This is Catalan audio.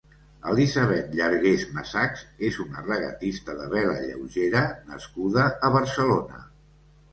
Elisabet Llargués Masachs és una regatista de vela lleugera nascuda a Barcelona.